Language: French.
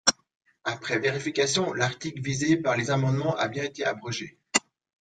Après vérification, l’article visé par les amendements a bien été abrogé.